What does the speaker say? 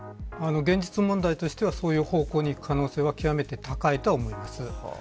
現実問題としてはそういう方向にいく可能性は極めて高いと思います。